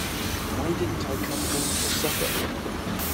Why didn't I come home for supper?